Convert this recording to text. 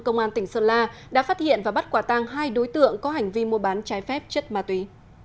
công an tỉnh sơn la đã phát hiện và bắt quả tăng hai đối tượng có hành vi mua bán trái phép chất ma túy